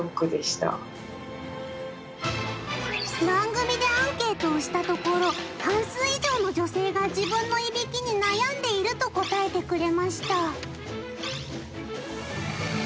番組でアンケートをしたところ半数以上の女性が自分のいびきに悩んでいると答えてくれました。